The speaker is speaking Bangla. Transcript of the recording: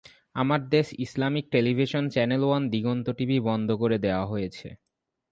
আমার দেশ, Islamic television, channel one, Diganta TV বন্ধ করে দেওয়া হয়েছে।